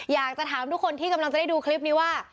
อยากจะถามทุกคนที่กำลังจะได้ดูคลิปนี้ว่า